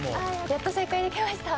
やっと正解できました。